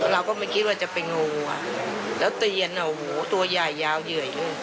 เราก็ไม่คิดว่าจะเป็นงูแล้วเตียนตัวย่ายยาวเหยื่อยขึ้น